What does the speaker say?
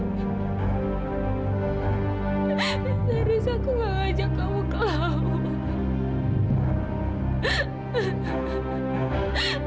harus aku ngajak kamu ke laut